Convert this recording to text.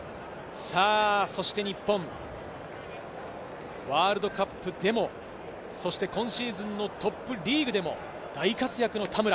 そして日本、ワールドカップでも、そして今シーズンのトップリーグでも大活躍の田村。